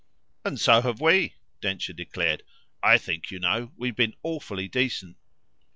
"And so have we," Densher declared. "I think, you know, we've been awfully decent."